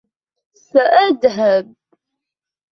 سأذهب.